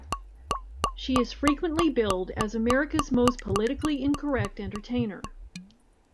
She is frequently billed as America's Most Politically Incorrect Entertainer.